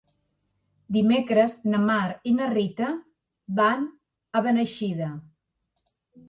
Dimecres na Mar i na Rita van a Beneixida.